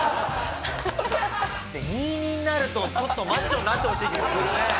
２２になるとちょっとマッチョになってほしい気もするね。